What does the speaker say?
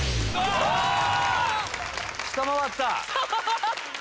下回った！